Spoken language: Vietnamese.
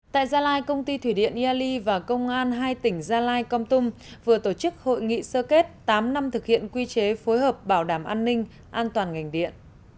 tại gia lai công ty thủy điện iali và công an hai tỉnh gia lai con tum vừa tổ chức hội nghị sơ kết tám năm thực hiện quy chế phối hợp bảo đảm an ninh an toàn ngành điện